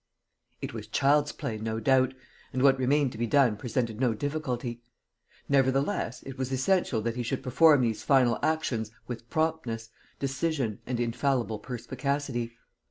It was child's play, no doubt, and what remained to be done presented no difficulty. Nevertheless, it was essential that he should perform these final actions with promptness, decision and infallible perspicacity.